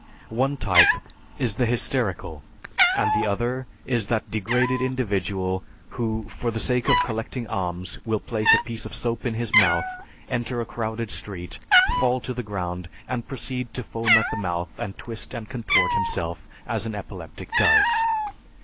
One type is the hysterical, and the other is that degraded individual who for the sake of collecting alms will place a piece of soap in his mouth, enter a crowded street, fall to the ground, and proceed to foam at the mouth and twist and contort himself as an epileptic does.